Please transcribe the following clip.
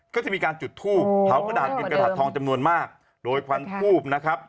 ก็จะมีการจุดทูบเผากระดาษกินกระดาษทองจำนวนมากโดยควันทูบนะครับ